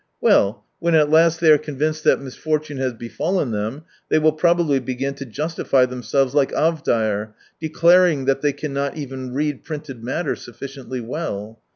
Well, when at last they are convinced that misfortune has befallen them, they will probably begin to justify themselves, like Avdeyer, declaring that they cannot even read printed matter sufficiently well.